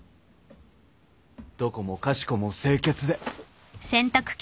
どこもかしこも清潔で。